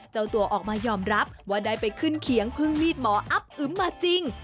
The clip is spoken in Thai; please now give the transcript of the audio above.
เจ้าตัวออกมายอมรับว่าได้ไปขึ้นเคียงพึ่งมีดหมออับอึมมาจริง